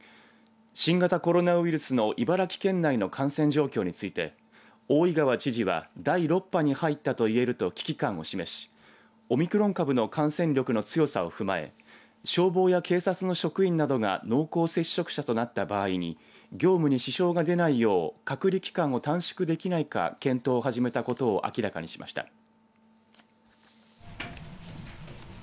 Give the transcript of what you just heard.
新型コロナウイルスの茨城県内の感染状況について大井川知事は第６波に入ったと言えると危機感を示しオミクロン株の感染力の強さを踏まえ消防や警察の職員などが濃厚接触者となった場合に業務に支障が出ないよう隔離期間を短縮できないか検討を始めたことを明らかにしました。